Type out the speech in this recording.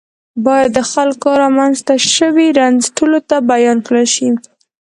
باید د خلکو رامنځته شوی رنځ ټولو ته بیان کړل شي.